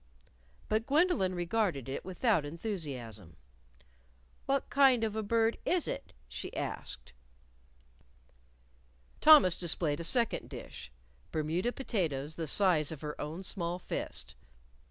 But Gwendolyn regarded it without enthusiasm. "What kind of a bird is it?" she asked. Thomas displayed a second dish Bermuda potatoes the size of her own small fist.